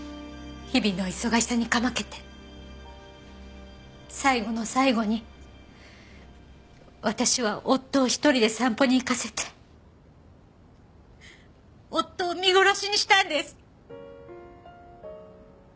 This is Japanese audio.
日々の忙しさにかまけて最後の最後に私は夫を１人で散歩に行かせて夫を見殺しにしたんです！